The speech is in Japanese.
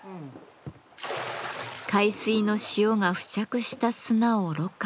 海水の塩が付着した砂をろ過。